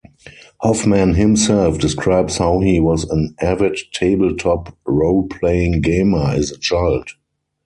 Hoffman himself describes how he was an avid tabletop roleplaying gamer as a child.